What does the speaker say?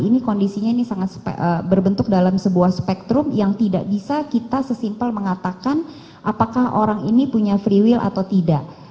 ini kondisinya ini sangat berbentuk dalam sebuah spektrum yang tidak bisa kita sesimpel mengatakan apakah orang ini punya free will atau tidak